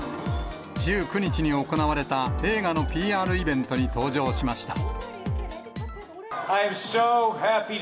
１９日に行われた映画のＰＲイベントに登場しました。